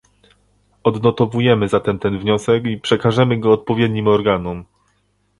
Odnotowujemy zatem ten wniosek i przekażemy go odpowiednim organom